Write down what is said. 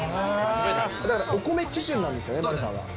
だからお米基準なんですよね、そうです。